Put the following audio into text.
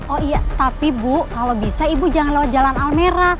oh iya tapi bu kalau bisa ibu jangan lewat jalan almera